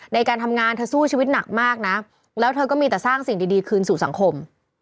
ในการทำงานเธอสู้ชีวิตหนักมากนะแล้วเธอก็มีแต่สร้างสิ่งดีคืนสู่สังคม